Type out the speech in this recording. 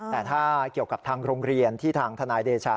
แต่ถ้าเกี่ยวกับทางโรงเรียนที่ทางทนายเดชา